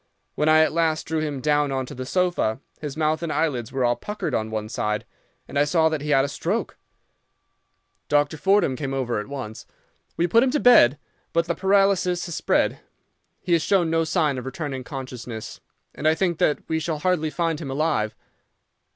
When I at last drew him down on to the sofa, his mouth and eyelids were all puckered on one side, and I saw that he had a stroke. Dr. Fordham came over at once. We put him to bed; but the paralysis has spread, he has shown no sign of returning consciousness, and I think that we shall hardly find him alive.